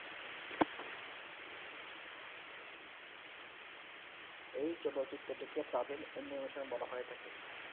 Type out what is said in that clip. এই চলচ্চিত্রটিকে প্রাচীনতম অ্যানিমেশন বলা হয়ে থাকে।